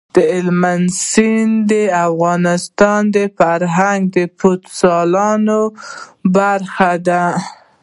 هلمند سیند د افغانستان د فرهنګي فستیوالونو برخه ده.